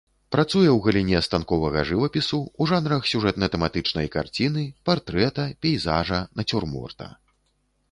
Працуе ў галіне станковага жывапісу, у жанрах сюжэтна-тэматычнай карціны, партрэта, пейзажа, нацюрморта.